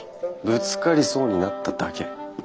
ぶつかりそうになっただけ。